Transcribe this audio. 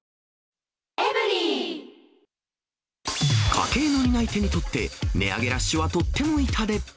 家計の担い手にとって、値上げラッシュはとっても痛手。